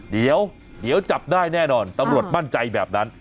เดี๋ยวจับได้แน่นอนตำรวจมั่นใจแบบนั้น